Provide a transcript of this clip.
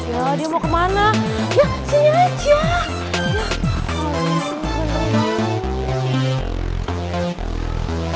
ya dia mau kemana ya saya aja